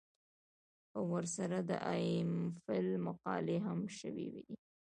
او ورسره د ايم فل مقالې هم شوې دي